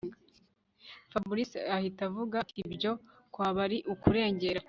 Fabric ahita avuga atiibyo kwaba ari ukurengera